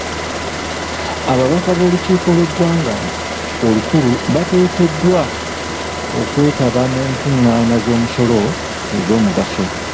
Ababaka b'olukiiko lw'eggwanga olukulu bateekeddwa okwetaba mu nkungaana z'omusolo ez'omugaso.